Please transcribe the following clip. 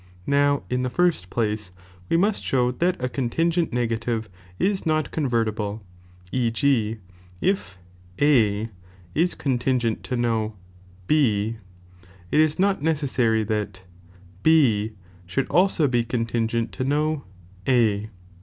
Nowinthefirstplace, Mniinfeni n° we most show that acontingent negative is not con ^Ji'^""" """' vertible, e. g. if A is contingent to no B, it is not neceasary that B should also be contingent to no A.